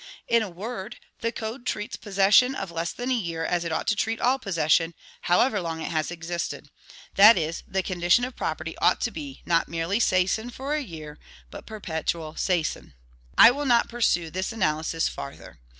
In a word, the code treats possession of less than a year as it ought to treat all possession, however long it has existed, that is, the condition of property ought to be, not merely seisin for a year, but perpetual seisin. I will not pursue this analysis farther.